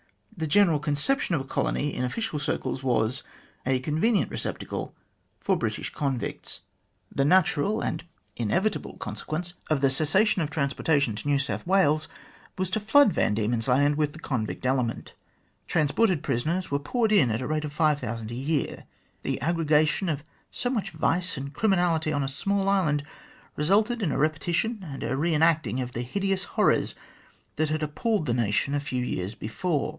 The general conception of a colony in official circles was a convenient receptacle I for British convicts. The natural and inevitable consequence 6 .'/';',';: TI/E GLADSTONE COLONY of the cessation, of transportation to New South Wales was to flood Van Diemen's Land with the convict element. Transported prisoners were poured in at the rate of five thousand a year. The aggregation of so much vice and criminality on a small island resulted in a repetition and a re enacting of the hideous horrors that had appalled the nation a few years before.